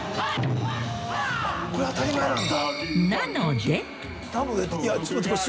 これ当たり前なんだ。）